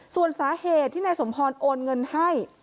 ส่วนสาเหตุที่นายสมพรโอนเงินให้